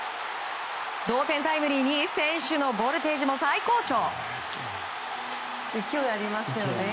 同点タイムリーに選手のボルテージも最高潮！